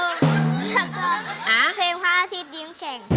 แล้วก็เพลงพระอาทิตย์ยิ้มแชง